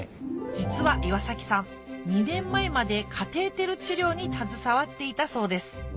実は岩さん２年前までカテーテル治療に携わっていたそうです